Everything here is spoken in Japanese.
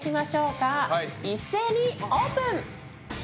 一斉にオープン！